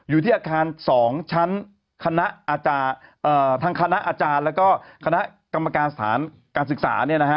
อยู่ที่อาคาร๒ชั้นทางคณะอาจารย์แล้วก็คณะกรรมการสถานการศึกษา